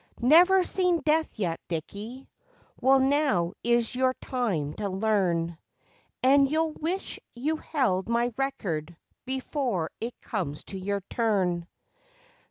Never seen death yet, Dickie? Well, now is your time to learn, And you'll wish you held my record before it comes to your turn.